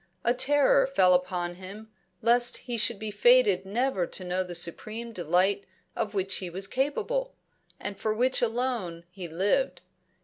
A terror fell upon him lest he should be fated never to know the supreme delight of which he was capable, and for which alone he lived.